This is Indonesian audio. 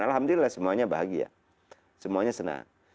alhamdulillah semuanya bahagia semuanya senang